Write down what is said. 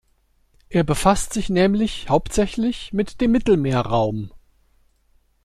Er befasst sich nämlich hauptsächlich mit dem Mittelmeerraum.